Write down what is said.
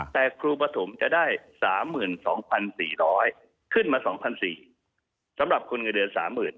แต่ครูปฐมจะได้๓๒๔๐๐ขึ้นมา๒๔๐๐สำหรับคุณเงินเดือน๓๐๐๐